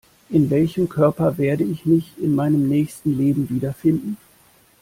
In welchem Körper werde ich mich in meinem nächsten Leben wiederfinden?